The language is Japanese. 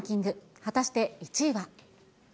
果たして１位は。